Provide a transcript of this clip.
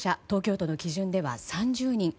東京都の基準では３０人。